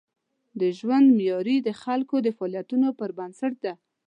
د ژوند معیاري د خلکو د فعالیتونو پر بنسټ دی.